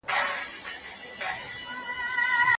هغه لیکنه چې واضح نه وي، باید سم شي.